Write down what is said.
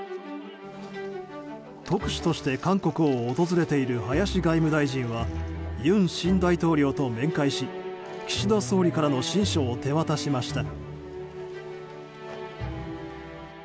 特使として韓国を訪れている林外務大臣は尹新大統領と面会し岸田総理からの親書を手渡しました。